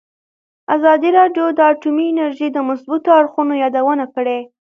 ازادي راډیو د اټومي انرژي د مثبتو اړخونو یادونه کړې.